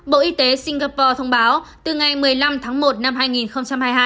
bộ y tế singapore thông báo từ ngày một mươi năm tháng một năm hai nghìn hai mươi hai